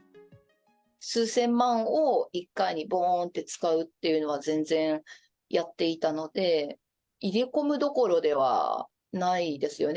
数千万を一回にぼーんって使うっていうのは、全然やっていたので、入れ込むどころではないですよね。